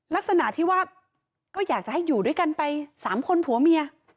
ลักษณะที่ว่าก็อยากจะให้อยู่ด้วยกันไป๓คนผัวเมีย